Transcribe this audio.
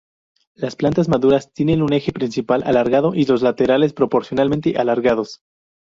Las plantas maduras tienen un eje principal alargado y los laterales proporcionalmente alargados.